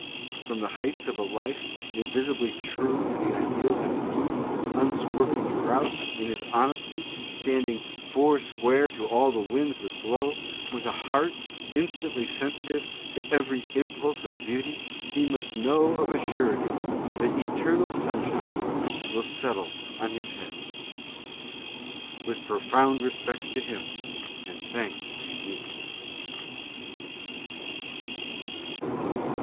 From the heights of a life invincibly true to the ideals of his youth, unswerving throughout in his honesty, standing "four square to all the winds that blow," with a heart instantly sensi tive to every impulse of beauty, he must know of a surety that "eternal sunshine will settle on his head." With profound re spects to him and thanks to you.